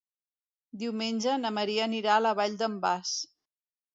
Diumenge na Maria anirà a la Vall d'en Bas.